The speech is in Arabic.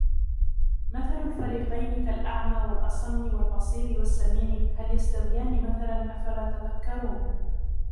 مَثَلُ الْفَرِيقَيْنِ كَالْأَعْمَى وَالْأَصَمِّ وَالْبَصِيرِ وَالسَّمِيعِ هَلْ يَسْتَوِيَانِ مَثَلًا أَفَلَا تَذَكَّرُونَ